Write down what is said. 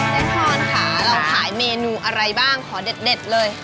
เจมส์ฮรอนค่ะเราขายเมนูอะไรบ้างขอเด็ดเลย